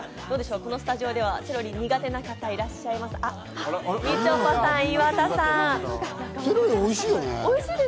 このスタジオではセロリ苦手な方、いらっしゃいます？